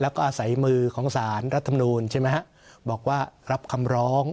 แล้วก็อาศัยมือของสารรัฐมนตร์บอกว่ารับคำร้อง